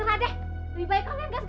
apa lagi sih